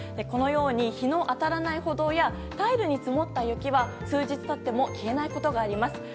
このように日の当たらない歩道やタイルに積もった雪は数日経っても消えないことがあります。